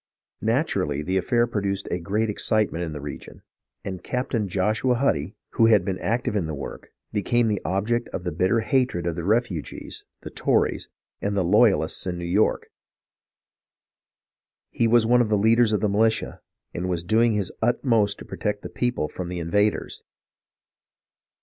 Naturally, the affair produced a great excitement in the region, and Captain Joshua Huddy, who had been active in the work, became the object of the bitter hatred of the refugees, the Tories, and the loyalists in New York. He was one of the leaders of the militia, and was doing his utmost to protect the people from the invaders.